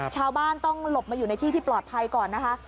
ชาวบ้านต้องหลบมาอยู่ในที่ที่ปลอดภัยก่อนนะคะ